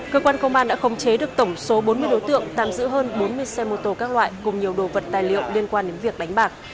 cơ quan công an đã khống chế được tổng số bốn mươi đối tượng tạm giữ hơn bốn mươi xe mô tô các loại cùng nhiều đồ vật tài liệu liên quan đến việc đánh bạc